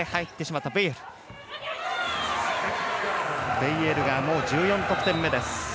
ベイエルがもう１４得点目です。